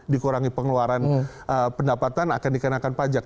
dikurangi pengeluaran pendapatan akan dikenakan pajak